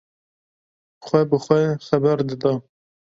Xwe bi xwe xeber dida.